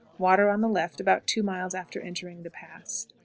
Water on the left about two miles after entering the Pass.